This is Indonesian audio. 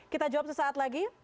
kita jawab sesaat lagi